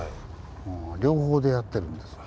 両方でやってるんですね。